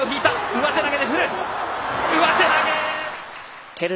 上手投げ！